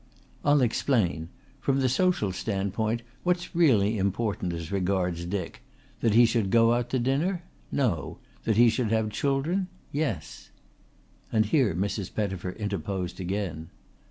"I'll explain. From the social standpoint what's really important as regards Dick? That he should go out to dinner? No. That he should have children? Yes!" And here Mrs. Pettifer interposed again.